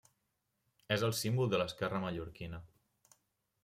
És el símbol de l'esquerra mallorquina.